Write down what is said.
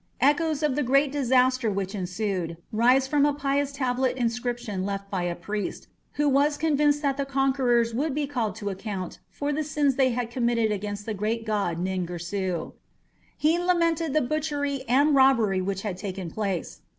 Echoes of the great disaster which ensued rise from a pious tablet inscription left by a priest, who was convinced that the conquerors would be called to account for the sins they had committed against the great god Nin Girsu. He lamented the butchery and robbery which had taken place.